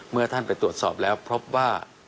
เมื่อท่านไปตรวจสอบแล้วพบว่า